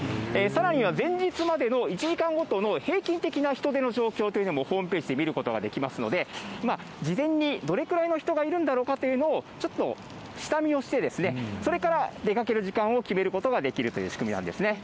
さらには前日までの１時間ごとの平均的な人出の状況というのもホームページで見ることができますので、事前にどれくらいの人がいるんだろうかというのをちょっと下見をして、それから出かける時間を決めることができるという仕組みなんですね。